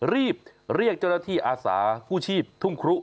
รีบเรียกเจ้าหน้าที่อาสากู้ชีพทุ่งครุ